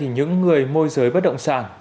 hay là những người môi giới bất động sản